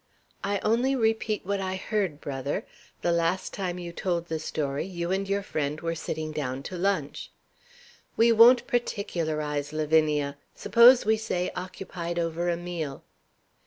"I only repeat what I heard, brother. The last time you told the story, you and your friend were sitting down to lunch." "We won't particularize, Lavinia. Suppose we say occupied over a meal?"